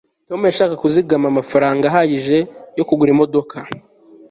tom yashakaga kuzigama amafaranga ahagije yo kugura imodoka